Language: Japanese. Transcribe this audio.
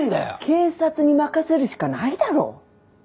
警察に任せるしかないだろ。